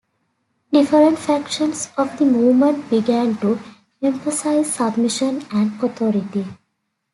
Different factions of the movement began to emphasise submission and authority.